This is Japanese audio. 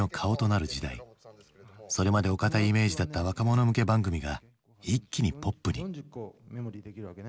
それまでお堅いイメージだった若者向け番組が一気にポップに。